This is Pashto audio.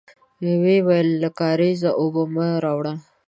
ويې ويل: له کارېزه اوبه مه راوړی!